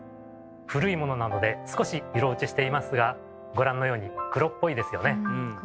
古いものなので少し色落ちしていますがご覧のように黒っぽいですよね。